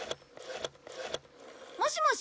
もしもし？